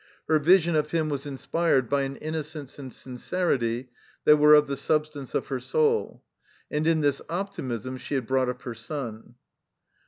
Her vision of him was inspired by an innocence and sincerity that were of the substance of her soul. And in this optimism she had brought up her son.